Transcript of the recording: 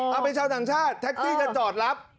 เอาเป็นชาวต่างชาติแท็กซี่จะจอดรับ